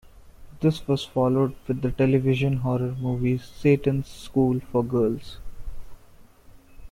This was followed with the television horror movie "Satan's School for Girls".